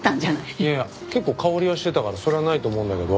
いやいや結構香りはしてたからそれはないと思うんだけど。